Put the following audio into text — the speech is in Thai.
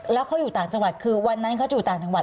แล้วเขาอยู่ต่างจังหวัดคือวันนั้นเขาอยู่ต่างจังหวัด